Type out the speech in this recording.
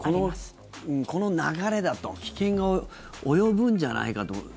自分にも、この流れだと危険が及ぶんじゃないかと。